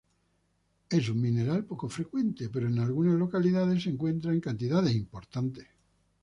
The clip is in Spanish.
Es un mineral poco frecuente, pero en algunas localidades se encuentra en cantidades importantes.